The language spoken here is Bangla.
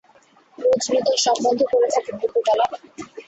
রোজ নূতন সম্বোধন করে থাকি– নৃপবালা।